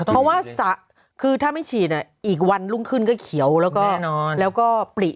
เพราะว่าคือถ้าไม่ฉีดอีกวันรุ่งขึ้นก็เขียวแล้วก็ปลิ